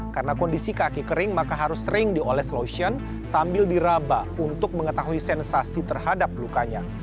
karena kondisi kaki kering maka harus sering dioles lotion sambil diraba untuk mengetahui sensasi terhadap lukanya